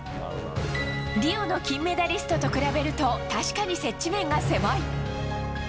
リオの金メダリストと比べると確かに接地面が狭い。